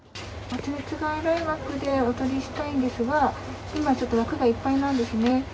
発熱外来枠でお取りしたいんですが、今ちょっと、枠がいっぱいなんですね。